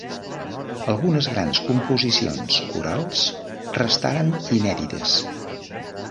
Algunes grans composicions corals restaren inèdites.